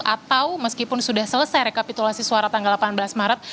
atau meskipun sudah selesai rekapitulasi suara tanggal delapan belas maret